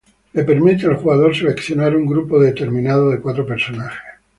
Le permite al jugador seleccionar un grupo determinado de cuatro personajes.